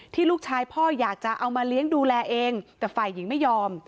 ลูกชายพ่ออยากจะเอามาเลี้ยงดูแลเองแต่ฝ่ายหญิงไม่ยอม